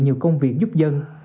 nhiều công việc giúp dân